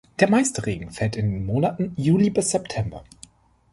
Der meiste Regen fällt in den Monaten Juli bis September.